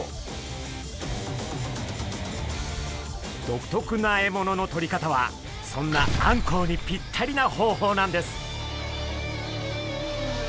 独特な獲物のとり方はそんなあんこうにぴったりな方法なんです。